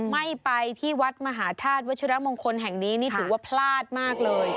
ไม่ไปที่วัดมหาธาตุวัชิรมงคลแห่งนี้นี่ถือว่าพลาดมากเลย